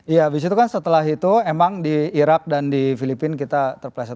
iya abis itu kan setelah itu emang di irak dan di filipina kita terpleset